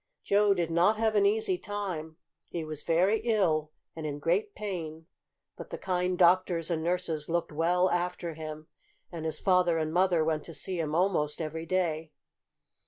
Joe did not have an easy time. He was very ill and in great pain, but the kind doctors and nurses looked well after him, and his father and mother went to see him almost every day.